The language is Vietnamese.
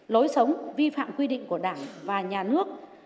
lối sống vi phạm quy định của đảng và nhà nước